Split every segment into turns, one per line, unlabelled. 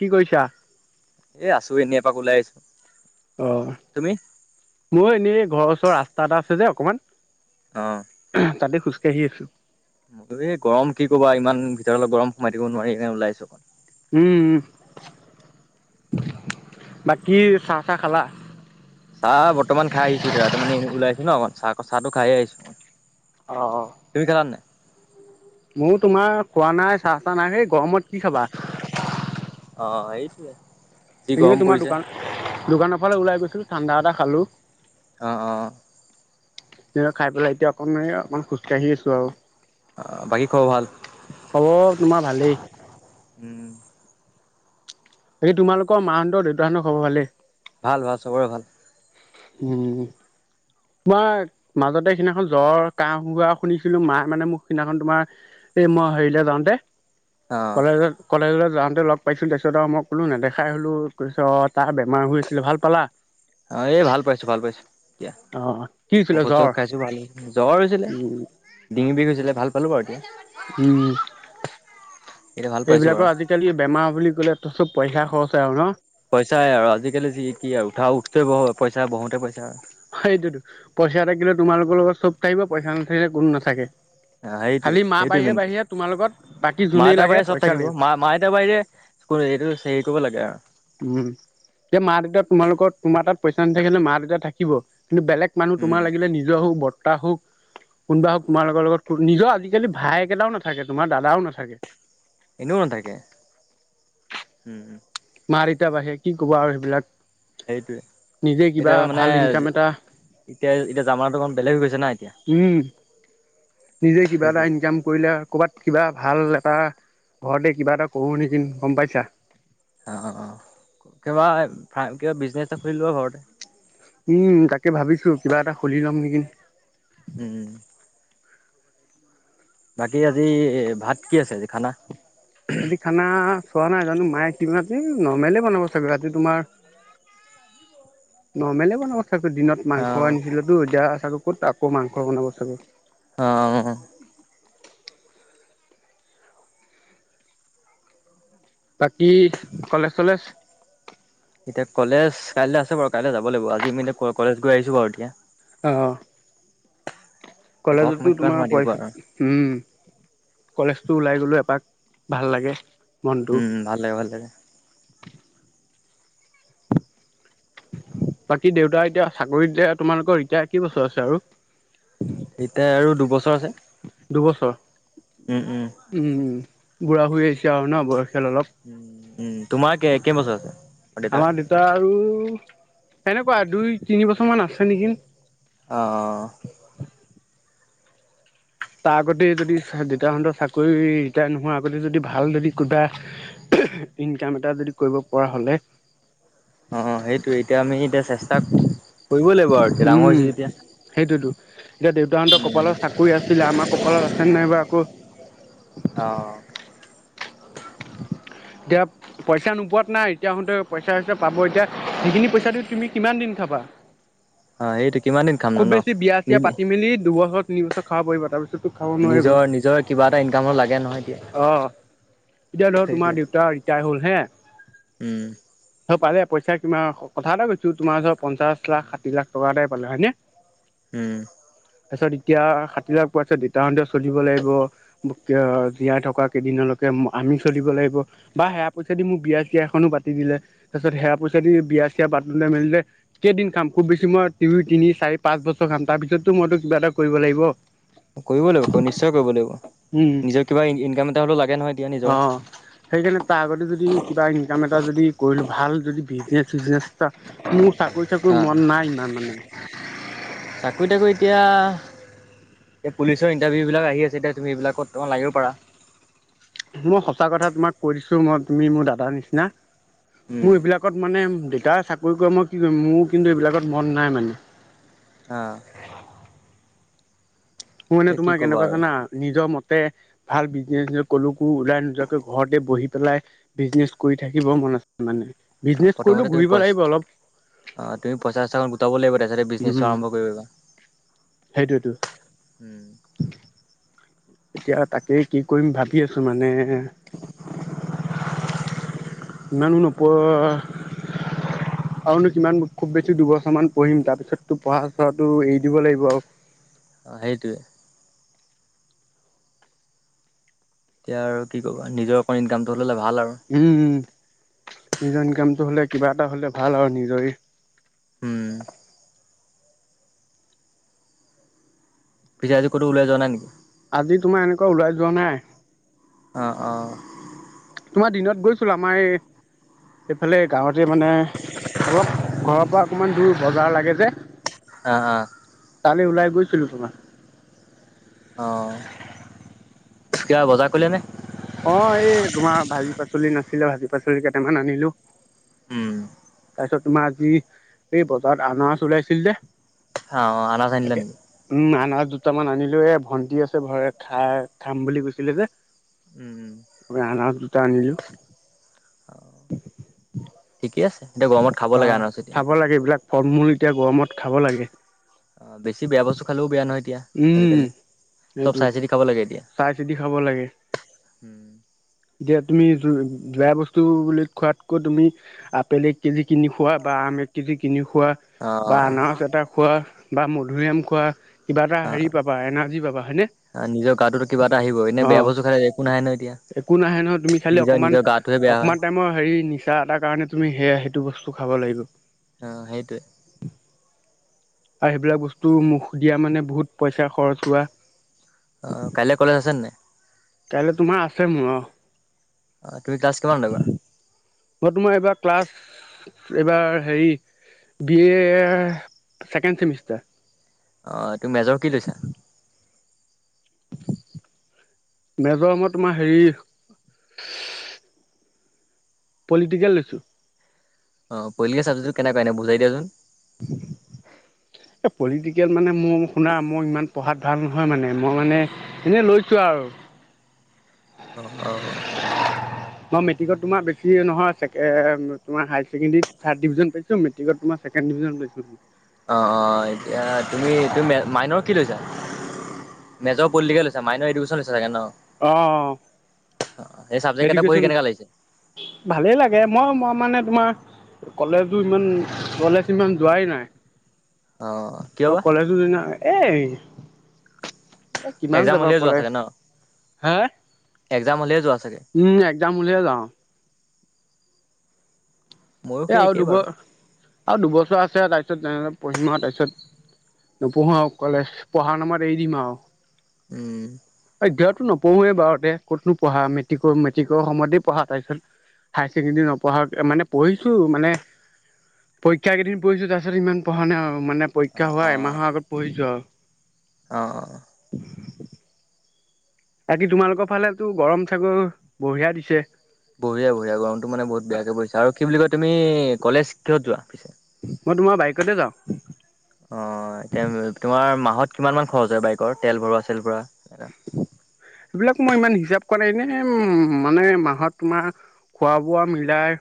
কি কৰিছা
এ আছো এনেই এপাক ওলাই আহিছো।
অ'
তুমি?
মোৰ এনেই ঘৰৰ ওচৰ ৰাস্তা এটা আছে যে অকমান
অ'।
তাতে খোজকাঢ়ি আছো।
এই গৰম, কি ক'বা ইমান ভিতৰত গৰম, সোমাই থাকিব নোৱাৰি হে ওলাই আহিছো।
উম উম। বাকী চাহ টাহ খালা?
চাহ বৰ্তমান খাই আহিছো এতিয়া ত মানে ওলাই আহিছো ন অক চাহ চাহ খাইে
অ
আহিছো। [unintelligible]
ময়ো তোমাৰ খোৱা নাই চাহ চাহ নাই হেই গৰমত কি খাবা
অ' এনে
এনেই তোমাৰ দোকান দোকানৰ ফালে ওলাই গৈছিলোঁ ঠাণ্ডা এটা খালোঁ।
অ অঁ।
সনে খাই পেলাই এতিয়া অকণমান অকমান খোজকাঢ়ি আছো আৰু।
অ' বাকী খবৰ ভাল?
খব তোমাৰ ভালেই
উম।
বাকি তোমালোকৰ মাহতৰ দেউতাহতৰ খবৰ ভালে।
ভাল ভাল সবৰে ভাল
উম তোমাৰ মাজতে সিদিনাখন জ্বৰ কাহ হোৱা শুনিছিলো মাৰ মানে মোক সিদিনাখন তোমাৰ এই মই হেৰিলে যাও দে
অ'
কলেজত কলেজলৈ যাও তহতে লগ পাইছিলো তাৰপিছত আৰু মই ক'লো নেদখাই হলো কৈছ তাৰ বেমাৰ হৈ আছিলে ভাল পালা
অঁ এই ভাল পাইছোঁ ভাল পাইছোঁ এতিয়া
অ' কি হৈছিলে
ঔষধ
জ্বৰ
চৌষধ খাইছো ভাল জ্বৰ হৈছিলে
উম
ডিঙি বিষ হৈছিলে ভাল পালো বাৰু এতিয়া
উম
এতিয়া ভাল পাইছো বাৰু।
এইবিলাকৰ আজিকালি বেমাৰ বুলি ক'লে ত চব পইা খৰচ আৰু ন
পইচাই আৰু আজিকালি যি কি আৰু উঠা উঠোৱ বহ পইচা বহোতে পইচা আৰু
হয় সেইটোতো পইচা থাকিলে তোমালোকৰ লগত চব থাকিব পইচা নাথাকিলে কোনো নাথাকে খালী মা বাহিৰে বাহিৰে তোমাৰ লগত বাকী যোনেই
মাতাৰ
লাগে
বাহিৰে চব
পইচা
থাকিব
লাগিব
মা মাতাৰ বাৰিৰে এইটো হেৰি কৰিব লাগে আৰু
উম এ মা দেউতা তোমালোকৰ তোমাৰ তাত পইচা নাথাকিলে মা দেউতা থাকিব কিন্তু বেলেগ মানুহ
উম
তোমাৰ লাগিলে নিজৰ হওক বৰ্তা হওক কোনোবা হওক তোমাৰ লগৰ লগত নিজৰ আজিকালি ভাইকেইটাও নাথাকে তোমাৰ দাদাও নাথাকে।
এনেওমান থাকে উম
মাৰতা বাঢ়ে কি ক'ব আৰু সেইবিলাক
সেইটোয়ে
নিজে কিবা
এতিয়া মানে
ভাল ইনকাম এটা
এতিয়া এতিয়া জামাাটো অকমান বেলেগ হৈ গৈছে নাই
উম নিজে কিবা এটা
সেইটোৱে
ইনকাম কৰিলে কৰবাত কিবা ভাল এটা ঘৰতে কিবা এটা কৰো নিচি গম পাইছা।
অ অ কিবা কিবা বিজনেচ এটা খুলি লব ঘৰতে
উম, তাকে ভাবিছো কিবা এটা খুলি লম নেকি?
উম, বাকী আজি ভাত কি আছে আজি খানা
আজি খানা চোৱা নাই জানো মায়ে মি নমেলে বনাব চাবিতিি তোমাৰ নমেলে বনাব চাগ দিনত
অ
মাংস আনিছিলো তো এতিয়া চাগ ক'ত আকৌ মাংস বনাব চাগৈ
অ
বাকি কলেজ চলেজ
এতিয়া কলেজ কাইলৈ আছে বাৰু কাইলৈ যাব লাগিব আজি মি কলেজ গৈ আহিছো বাৰু এতিয়া
আহ
ঘৰত সোমাই
কলেজতো
কিমান সোমাই
তোমাৰ
থাকিব
পইচা
আৰু
উম কলেজ টো ওলাই গ'লো এপাক ভাল লাগে। মনটো
উম ভালে ভালে
বাকী দেউতা এতিয়া চাকৰিত তোমালোকৰ ৰিতিাৰেই বছৰ আছে আৰু
এতিয়া আৰু দুবছৰ আছে
দুবছৰ
উম - উম।
উম বুঢ়া হৈ আহিছে আৰু ন বয়সাল অলপ
উম তোমাৰ কে একেই বছৰ আছে আৰু দেউতাৰ?
আমাৰ দেতা আৰু সেনেকুৱা দুই তিনি বছৰ মান আছে নেকি
আহঁ
তাৰ আগতে যদি দেউতাহঁতৰ চাকৰি ৰিটায়াৰ নোহোৱাৰ আগতে যদি ভাল যদি কোনোবা ইনকাম এটা যদি কৰিব পৰা হ'লে।
অ সেইটোোৱে এতিয়া আমি এতিয়া চেষ্টা কৰিব লাগিব আৰু এতিয়া ডাঙৰ
উম
হৈছো যেতিয়া
সেইটোতো এতিয়া দেউতাহতৰ কপালত চাকৰি আছিলে আমাৰ কপালত আছে নাই বাৰ আকৌ।
আহঁ
এতিয়া পইচা নোপোৱাত নাই এতিয়াাহোঁতে পইচা হৈছে পাব এতিয়া যিখিনি পইচা দি তুমি কিমান দিন খা
অ', সেইটো কিমান দিন
[inaudible]
খামনো
খুব
ন?
বেছি বিয়া
নি
চিয় পাতি মেলি দুবছৰ [unintelligible] নিবা খাব পাব তাৰিত [inaudible]
নিজৰ নিজৰ কিবা এটা ইনকামত লাগে নহয় এতিয়া
অ
[unintelligible]
এতিয়া ধৰ তোম
সেইটোৱে
দেউতা ৰিটায়াৰ হল হে [unintelligible]
উম।
পালে পইচা কি কথা এটা কৈছো তোমাৰ ওচৰত পঞ্চাশ লাখ ষাঠি লাখ টকাটাই পালে হয় নে?
হম [unintelligible]
তাৰপিছত এতিয়া হাাত লাখ পোৱাৰ পিছত দেউতাহতেও চলিব লাগিব জীয়াই থকা কেইদিনলৈকে। আমি চলিব লাগিব বা সেয়া পইচা দি মোক বিয়া আৰ চিয় এখনো পাতি দিলে তাৰপিছত সেয়া পইচা দি বিয়া চিয়া মে কেইদিন খাম খুব বেছি মই ই তিনি চাৰি পাঁচ বছৰ খাম তাৰ পিছতো মইতো কিবা এটা কৰিব। লাগিব [inaudible]
কৰিব লাগিব নিশ্চয় কৰিব
উম
লাগিব নিজৰ কিবা ইনকাম এটা হলেও লাগে নহয় [unintelligible]
অ সেইকাৰণে তাৰ [unintelligible] যদি কিবা ইনক এটা যদি কৰিলো ভাল যদি বিজনে চনে এ মোৰ [inaudible] গৈ থাকো
অ',
মন নাই ইমান মানে [unintelligible]
চাকৰি তাকৰি এতিয়া [unintelligible] এই পুলিচৰ ইণ্টাৰভিউবিলাক আহি আছে এতিয়া তুমি এইবিলাকত তমাক লাগিব পাৰা [inaudible]
মই সঁচা কথা তোমাক কৈ দিছো মই তুমি মোৰ দাদাৰ নিচিনা
উম,
মোৰ এইবিলাকত মানে [unintelligible] দেউতাই চাকৰি কৰে মই কি কৰিম মোৰ কিন্তু এইবিলাকত মন নাই মানে [unintelligible]
আহ।
মোৰ মানে
এতিয়া কি
তোমাৰ
ক'বা
কেনেকুৱা
আৰু
জানা নিজৰ মতে [inaudible] ভাল বিজনেচ ক'লো ওলাই নোযোৱাকৈ ঘৰতে বহি পেলাই বিজনেচ কৰি থাকিব মন আছে মানে [inaudible] বিজনেচ কৰিলও
প্ৰথমতে তুমি
ঘূৰিব লাগিব
পইচা
অলপ [unintelligible]
তাৰিছতে বিজনেছো
উম
আৰম্ভ কৰিবা।
সেইটোৱেতো। এতিয়া তাকে কি কৰিম ভাবি আছো মানে [unintelligible] মনহ নপৌ [inaudible] হয় [inaudible] আৰুনো কিমান খুব বেছি দুবছৰমান পঢ়িম তাৰ পিছতো পঢ়া চ়টো এৰি দিব লাগিব আৰু [unintelligible]
অ সেইটোৱে [unintelligible] এতিয়া আৰু কি কবা নিজৰ অকণ ইনকামটো [unintelligible] আৰু
উম নিজৰ ইনকামটো হলে কিবা এটা হলে ভাল আৰু নিজৰে।
হম। পিছে আজি কতো উলাই য নেকি [inaudible]
আজি তোমাৰ এনেকুৱা ওলাই যোৱা নাই [unintelligible]
আহ আহ [unintelligible]
তোমাৰ দিনত গৈছিলো আমাৰ এই হাল গাঁৱতে মানে অলপ ঘৰৰ পৰা অকণমান দূৰ বজাৰ লাগে যে [inaudible]
অ হ [inaudible]
তালি ওলাই গৈছিলো তোমাৰ [unintelligible]
অ কিবা বজাৰ কৰিলে নে [unintelligible]
অ এই তোমাৰ ভাজি পাচলি নাছিলে ভাজি পাচলি কেইটামান আনিলো [unintelligible]
উম [unintelligible]
তাৰপিছত তোমাৰ আজি এই বজাৰত আনাৰাজ ওলাইছিল যে।
অ অ আল চনিলা নেকি [inaudible]
না দুটামান আনিলো এ ভন্টি আছে ভ খাই খাম বুলি কৈছিলে যে [inaudible]
উম
আ আনাৰাজ দুটা আনিলো।
ঠিকে আছে এতিয়া গৰমত খাব লাগে আনাৰ চিতিয়া [inaudible]
এইলাক ফলূল এতিয়া গৰমত খাব লাগে
অ বেছি বেয়া বস্তু খালেও বেয়া নহয় [unintelligible] এতিয়া
উম
আজিকালি চ'ব
সেইটো
চাই চিতি খাব লাগে। এতিয়া।
চাই চিতি খাব লাগে।
উম,
এতিয়া তুমি বেয়া বস্তু বুলি খোৱাতকৈ তুমি আপেল এক কেজি কিনি খোৱা বা আম এক কেজি কিনি খোৱা
অ
বা আনাৰস এটা খোৱা বা মধুৰিআম খোৱা। কিবা এটা
অ
হেৰি পাবা এনাৰ্জি পাবা হয়নে?
নিজৰ গাটোতো কিবা এটা আহিব এনে
অ
বেয়া বস্তু খালে একো নাহে ন এতিয়া।
একো নাহে নহয় তুমি খালি
নিজৰ
অকমান
নিজৰ গাটোহে বেয়া হয়
অকমান টাইমৰ হেৰি নিচা এটাৰ কাৰণে তুমি হেয়য়া হেইটো বস্তু। খাব লাগিব।
অ সেইটোৱে।
আৰু সেইবিলাক বস্তু মুখ দিয়া মানে বহুত পইচা খৰচ হোৱা।
অ' কাইলে কলেজ আছে ন নাই?
কাইলৈ তোমাৰ আছে মোৰ অ,।
অ তুমি ক্লাছ কিমান [unintelligible]
ম তোমাৰ এইবাৰ ক্লাছ এইবাৰ হেৰি। B A second semester.
অ' তোৰ মেজৰ কি লৈছা?
মেজৰামত তোমাৰ হেৰি পলিটিকেল লছো।
অ পলিটিকেল চাব্জ্টো কেনেুৱা এনে বুজাই দিয়াচোন।
উ [unintelligible] পলিটিকেল মানে মই শুনা মই ইমান পঢ়াত ভাল নহয়। মানে মই মানে এনে লৈছোঁ আৰু।
অ, অ,।
মই মেট্ৰিকত তোমাৰ বেছি নহয়। তোমাৰ হাই ছেকেণ্ডেৰী থাৰ্ড ডিভিজন পাইছো মেট্ৰিকত। মই ছেকেণ্ড ডিভিজন পাইছিলো।
অ, অ, এতিয়া তুমি তুমি মাইনৰ কি লৈছা। মেজৰ পলিটিকেল লৈছো। মাইনৰ এডুকেশ্যন লৈছে চাগে ন।
আহ‌।
অ' সেই চাবজেক্ট কেইটা পঢ়ি
এডোকেশ্যন
কেনেকুৱা লাগিছে?
ভালেই লাগে মই মই মানে তোমাৰ। কলেজো ইমান কলেজ ইমান যোৱাই নাই।
কিয়
অ
বা?
কলেজো দিনা এ। এ কিমান
এক্সাম
যাবা
হ'লেই
কলেজ। হা
এ একজাম হ'লেই যোৱা জাই।
উম, একদম উলিয় যাওঁ।
ময়ো
এ
সেই
আৰু
একেই
দুব
বাৰু।
আৰু দুবছৰ আছে তাই। ট্ৰেনত পঢ়িম তাৰপাছত নপঢ়ো আৰু তাৰপিছত নপঢ়ো আৰু কলেজ পঢ়াৰ নামত এৰি দিম আৰু।
উম।
তেতিয়াটো নপঢ়োৱেই বাৰহতে ক'তনো পঢ়া মেট্ৰিকৰ মেট্ৰিকৰ সময়তেই পঢ়া তাৰপিছত। হায় ছেকেণ্ডৰী নপঢ়া মানে পঢ়ি মানে পৰীক্ষা কেইদিন পঢ়িছো তাৰ পিছত ইমান পঢ়া নাই আৰু। মানে পৰীক্ষা
অ'
হোৱা
অ'।
এমাহৰ আগত পঢ়িছো আৰু।
অ, অ।
বাকী তোমালোকৰ ফালেতো গৰম চাগৰ বঢ়িয়া দিছে।
বঢ়িয়া বঢ়িয়া গৰমতটো মানে বহুত বেয়াকে বহিছে আৰু কি বুলি কয় তুমি কলেজ কিহত যোৱা পিছে।
মই তোমাৰ বাইকতে যাওঁ।
অ তোমাৰ মাহত কিমান মান খৰচ হয় বাইকৰ তেল ভৰুৱা চেল ভৰুৱা। [inaudible]
এইবিলাক মই ইমান হিচাপ কৰা নাইনে উ মানে মাহত তোমাৰ খোৱা বোৱা মিলাই।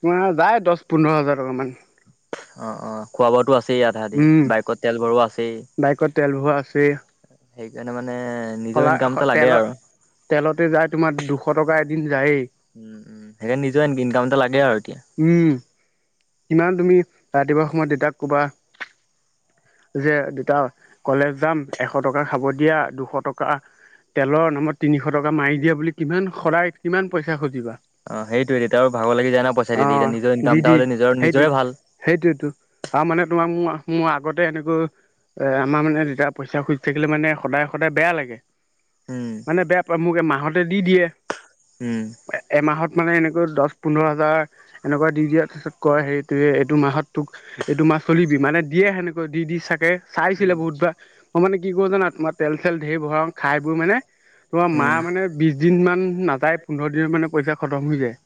তোমাৰ যায় দহ পোন্ধৰ হাজাৰ টকা মান।
অ, অ, খোৱা বোৱাতো আছেই আধা আধি,
উম
বাইকত তেল ভৰোৱা আছেই।
বাইকত তেল বোৱা আছে।
সেইকাৰণে মানে নিজৰ ইনকামতটা লাগে
তেলত
আৰু।
তেলতে যায় তোমাৰ দুশ টকা এদিন যায়েই
উম - উম সেইকাৰণে নিজে আনিবি ইনকাম এটা লাগে আৰু এতিয়া
উম, কিমান তুমি ৰাতিপুৱা সময়ত দেউতাক ক'বা। যে দেতা কলেজ যাম এশ টকা খাব দিয়া দুশ টকা তেলৰ নামত তিনিশ টকা মাৰি দিয়া বুলি কিমান শদই কিমান পইচা খুজিবা।
অ, সেইটোয়ে তেতি আৰু ভাগ লাগি যায় ন পইা দি এতিয়া নিজৰ ইকামটা হ'লে নিজৰ নি
সেইটোয়ো আৰু মানে তোমাৰ মোৰ - মোৰ আগতে এনেকৈ এ আমাৰ মানে তেতিয়া পইচা খোজি থাকিলে মানে সদায় সদায় বেয়া লাগে।
উম,
মানে বেয়া পায় মোক এ মাহতে দি দিয়ে।
উম।
এমাহত মানে এনেকৈ দহ, পোন্ধৰ হাজাৰ এনেকুৱা দি দিয়া তাৰপছত কয় হেৰিটো এইটো মাহত তোক এইটো মাহ চলিবি মানে দিয়ে সেনেকৈ দি- দি চাগে চাইছিলে বহুতবাৰ মই মানে কি কৰো জানা তোমাৰ তেল চল ধেৰ ভৰাও খাই বোৰ মানে তোমাৰ মা
উম,
মানে বিশ দিন মান নাযায় পোন্ধৰ দিনৰ মানে পইচা খতম হৈ যায়।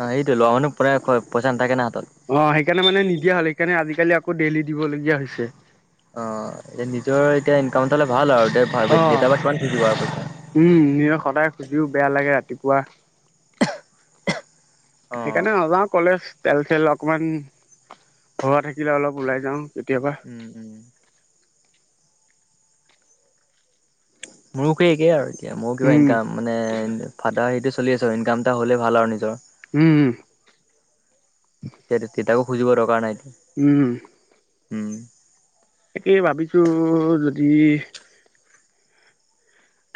অ, সেইটো লোৱা মানুহ পৰা পইচা নাথাকে। না হাতত।
অ, সেইকাৰণে মানে নিদিয়া হ'ল সেইকাৰণে আজিকালি আকৌ ডেইলি দিবলগীয়া হৈছে।
অ', এতিয়া নিজৰ এতিয়া ইনকাম চালে ভাল আৰু
অ
এতিয়া দেতা পা কিমান খুজিবা আৰু পইচা।
উম, নিজক সদায় খুজিও বেয়া লাগে ৰাতিপুৱা।
অ',
সেইকাৰণে নযাও কলে তেল - তেল অকমান ভৰৱা থাকিলে অলপ ওলাই যাও।
উম উম। মোৰো স একেই আৰু এতিয়া মোৰ কিবা
উম
ইনকাম মানে ফাদাৰ সটো চলি আছোঁ ইনকাম এটা হলে ভাল আৰু নিজৰ,
উম
টেটু তিতাও খুজিব দৰকা নাই।
উম,
হম।
তাকেই ভাবিছো যদি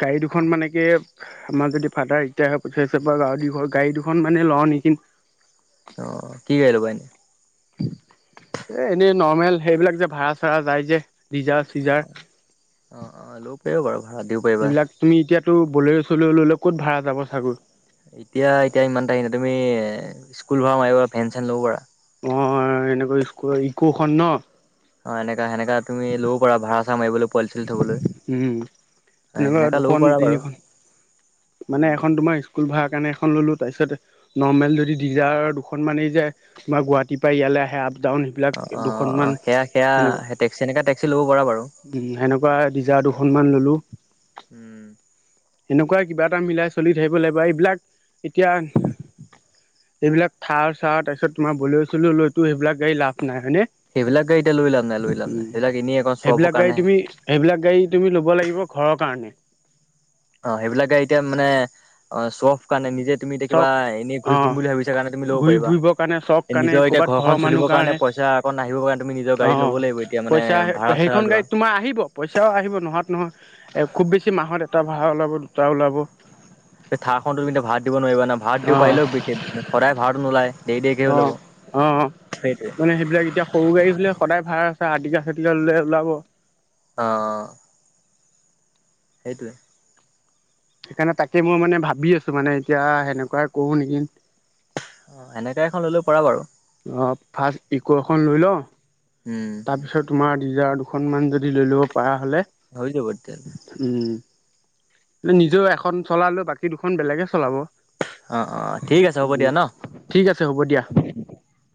গাড়ী দুখন মানে কে আমাৰ যদি ফাডাৰ ৰিটায়াৰ হৈ পঠাইছে গৱ দঘৰ গাড়ী দুখন মানে লও নেকি? হয়।
অ, কি কৰি লব এনে
এ - এনেই নৰ্মেল সেইবিলাক যে ভাড়া চাড়া যায় যে। Dzire seizure.
অ অ ল'ব পাৰিব বাৰু ভাড়া দিব পাৰিবা
এইবিলাক তুমি এতিয়াতো বলে চলৈও ললেও ক'ত ভাড়া যাব চাগো
এতিয়া এতিয়া ইমান আহি ন তুমি স্কুল ভৰা মাৰিবা ভেন চেন ল'ব পাৰা।
অ, এনেকৈ ইকো খন ন।
অ, এনেকা সেনেকা তুমি লও কৰা ভড়া চাৰা মাৰিব
উম, এনেকুৱা
সেনেকা ল'ব
দুখন
পাৰা বাৰু
তিনিখন মানে এ
উম
তোমাৰ ৰুম ভাৰা কাৰণে এখন ললো তাৰপিচত নৰ্মেল যদি দিজায়াৰ দুখনমানি যে গুৱাহাটীৰ পে ইয়ালে আহে। ডাউন সেইবিলাক
অ' অ'
দুখনমান
অ' সেয়া সেয়া
সেনেকুৱা
টেক্সি এনেকা টেক্সি ল'ব পাৰা বাৰু।
সেনেকুৱা ডিজাৰ দুখনমান ল'লো।
উম,
এনেকুৱা কিবা এটা মিলাই চলি থাকিব লাগিব এইবিলাক এতিয়া এইবিলাক থাৰ চাৰ তাৰপিছত তোমাৰ বলছিলো লৈতো সেইবিলাক গাড়ী লাভ নাই হয়নে।
সেইবিলাক গাড়ী এতিয়া লৈ লাভ নাই লৈ লাভ নাই
উম,
সেইবিলাক এনেই অকণ শ্ব অফৰ
সেইবিলাক গাড়ী
কাৰণেহে
তুমি সেইবিলাক গাড়ী তুমি লব লাগিব ঘৰ কাৰণে
অ' সেইবিলাকে এতিয়া মানে অ' চফ কাৰণে নিজে তুমি এতিয়া কিবা
চখ
এনেই
অ,
ঘূৰি ফুৰিম বুলি ভাবিছা কাৰণে তুমি ল'ব
ঘূৰি
পাৰিবা
ফুৰিবৰ কাৰণে চখ কাৰণে
নিজৰ এতিয়া
কৰ'ৰবাত
ঘৰখন
ঘৰৰ মানুহ
চলিবৰ
কাৰণে
পইচা অকণ আহিবৰ কাৰণে তুমি নিজৰ গাড়ী ল'ব লাগিব
অ',
এতিয়া মানে
পইচা
ভাড়া চাড়া
সেইখন
লোৱা।
গাড়ীত তোমাৰ আহিব পইচাও আহিব নোহাত নহয়। খুব বেছি মাহত এটা ভাড়া ওলাব দুটা ওলাব।
থাৰ খন তো কিন্তু ভাত দিব নোৱাৰিবা না ভাত দি
অ'
পাৰিলেও সদায় ভাত নোলাই দেৰি দেৰিকে ওলাব
অ' অ
সেইটোৱে
মানে সেইবিলাক এতিয়া সৰু গাড়ী হলে সদায় ভাড়া আছে আৰ্তিকা চাৰ্তিকা ললে ওলাব।
অ অ সেইটোৱে।
সেইকাৰণে তাকে মই মানে ভাবি আছো মানে এতিয়া সেনেকুৱাই কৰো নেকি?
অ এনেকাে এখন লৈ লব পৰা বাৰু!
অ ফাৰ্ষ্ট ইকো এখন লৈ লওঁ
উম
তাৰ পিছত তোমাৰ নিজৰ দুখন মান যদি লৈ ল'ব পাৰা হলে
হয় যাব তেতিয়া।
উম নিজেও এখন চলালেও বাকী দুখন বেলেগে চলাব উ
অ অ ঠিক আছে হ'ব দিয়া ন।
ঠিক আছে হ'ব দিয়া।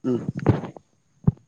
উম [inaudible]